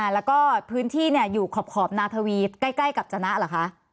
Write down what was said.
แล้วก็พื้นที่อยู่ขอบนาทวีใกล้กับจนะเหรอคะ